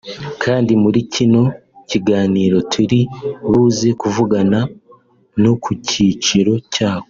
kandi muri kino kiganiro turi buze kuvugana no ku giciro cyako”